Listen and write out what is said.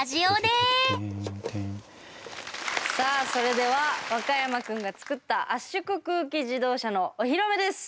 さあそれではワカヤマくんが作った圧縮空気自動車のお披露目です。